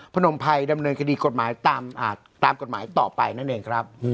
พนมภัยดำเนินคดีกฎหมายตามกฎหมายต่อไปนั่นเองครับ